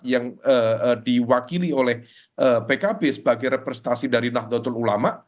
yang diwakili oleh pkb sebagai representasi dari nahdlatul ulama